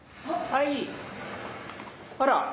はい。